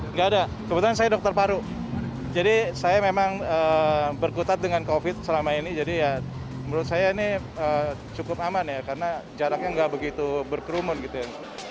nggak ada kebetulan saya dokter paru jadi saya memang berkutat dengan covid selama ini jadi ya menurut saya ini cukup aman ya karena jaraknya nggak begitu berkerumun gitu ya